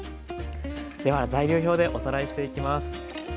では材料表でおさらいしていきます。